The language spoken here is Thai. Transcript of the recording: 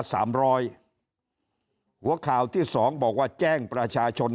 หัวข่าวที่สองบอกว่าแจ้งประชาชน